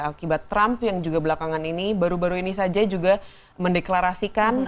akibat trump yang juga belakangan ini baru baru ini saja juga mendeklarasikan